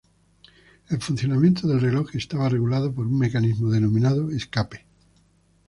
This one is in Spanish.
El funcionamiento del reloj estaba regulado por un mecanismo denominado escape.